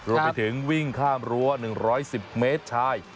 รวมไปถึงวิ่งข้ามรั้ว๑๑๐เมตรชาย